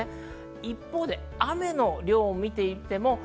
一方、雨の量を見ていきます。